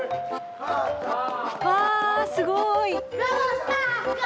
わすごい！